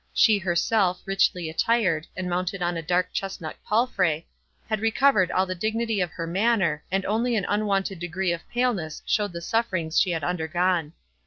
She herself, richly attired, and mounted on a dark chestnut palfrey, had recovered all the dignity of her manner, and only an unwonted degree of paleness showed the sufferings she had undergone.